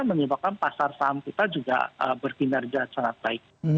menyebabkan pasar saham kita juga berkinerja sangat baik